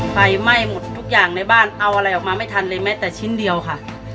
ไฟไหม้หมดทุกอย่างในบ้านเอาอะไรออกมาไม่ทันเลยแม้แต่ชิ้นเดียวค่ะ